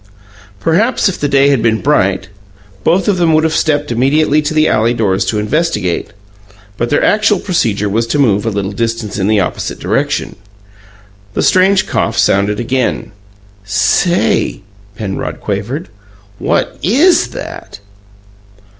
Perhaps if the day had been bright, both of them would have stepped immediately to the alley doors to investigate; but their actual procedure was to move a little distance in the opposite direction. The strange cough sounded again. "SAY!" Penrod quavered. "What IS that?"